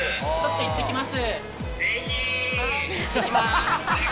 いってきます。